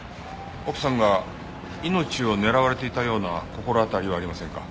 奥さんが命を狙われていたような心当たりはありませんか？